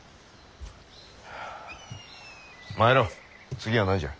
次は何じゃ。